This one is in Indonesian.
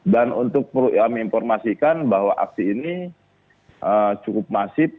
dan untuk perlu saya informasikan bahwa aksi ini cukup masif